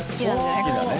好きだね。